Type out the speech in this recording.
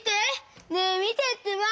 ねえみてってば！